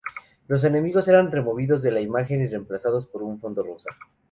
Los enemigos eran removidos de la imagen y remplazados por un fondo rosa.